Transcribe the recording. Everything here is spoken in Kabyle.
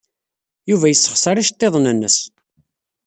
Yuba yessexṣer iceḍḍiḍen-nnes.